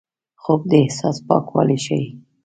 خوب د احساس پاکوالی ښيي